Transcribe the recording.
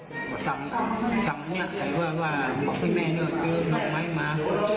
พี่แม่เนี่ยเนูะเส้นนอกไหม้มา